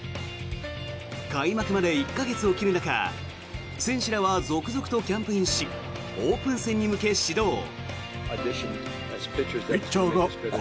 開幕まで１か月を切る中選手らは続々とキャンプインしオープン戦に向け、始動。